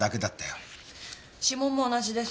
指紋も同じです。